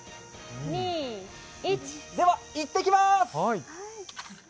では、行ってきます！